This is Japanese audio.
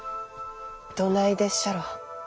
どないでっしゃろ？